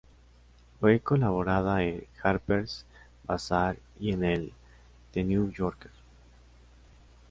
Fue colaboradora en "Harper's Bazaar" y en el "The New Yorker".